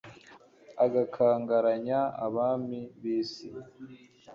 agakangaranya abami b'isi